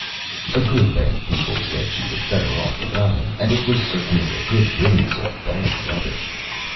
A good many People said she was Better Off without him, and it was certainly a Good Riddance of Bad Rubbish.